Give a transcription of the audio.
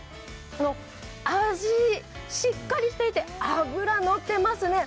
あじ、しっかりして脂のってますね。